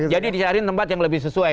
jadi dicariin tempat yang lebih sesuai